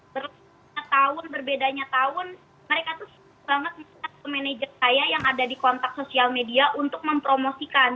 berbedanya tahun berbedanya tahun mereka tuh sangat mengingat ke manajer saya yang ada di kontak sosial media untuk mempromosikan